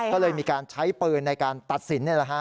ก็เลยมีการใช้ปืนในการตัดสิน